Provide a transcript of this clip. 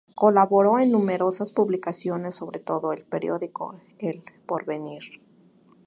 Colaboró en numerosas publicaciones, sobre todo en el periódico "El porvenir".